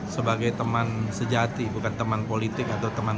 sebagai teman sejati bukan teman politik atau teman